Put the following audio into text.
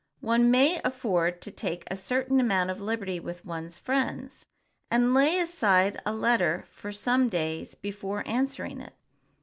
One may afford to take a certain amount of liberty with one's friends, and lay aside a letter for some days before answering it.